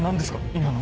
今の。